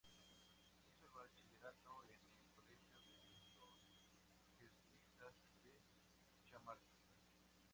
Hizo el bachillerato en el colegio de los jesuitas de Chamartín.